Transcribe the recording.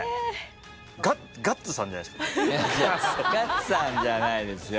ガッツさんじゃないですよ。